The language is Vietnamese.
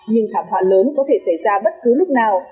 nhưng thảm họa lớn có thể xảy ra bất cứ lúc nào